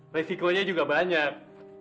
risikonya juga banyak